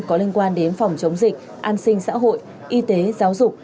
có liên quan đến phòng chống dịch an sinh xã hội y tế giáo dục